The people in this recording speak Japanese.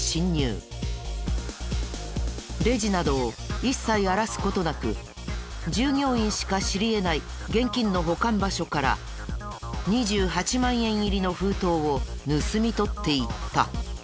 レジなどを一切荒らす事なく従業員しか知り得ない現金の保管場所から２８万円入りの封筒を盗み取っていった。